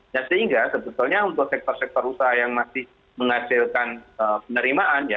nah sehingga sebetulnya untuk sektor sektor usaha yang masih menghasilkan penerimaan ya